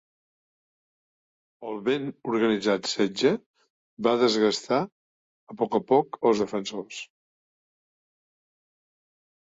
El ben organitzat setge va desgastar a poc a poc als defensors.